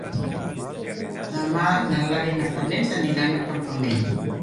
Demà na Lara i na Farners aniran a Campanet.